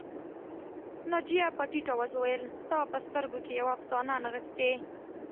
ناجیه په ټيټ آواز وویل ستا په سترګو کې یوه افسانه نغښتې